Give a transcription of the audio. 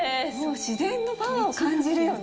自然のパワーを感じるよね。